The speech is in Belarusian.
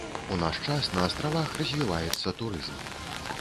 У наш час на астравах развіваецца турызм.